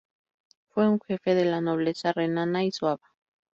Fue un jefe de la nobleza renana y suaba.